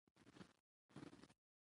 نابلده خلک هغه تیر باسي.